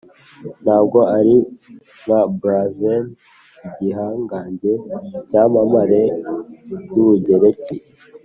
ntabwo ari nka brazen igihangange cyamamare yubugereki,